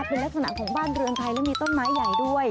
เป็นลักษณะของบ้านเรือนไทยและมีต้นไม้ใหญ่ด้วย